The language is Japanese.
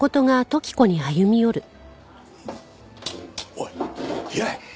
おい平井！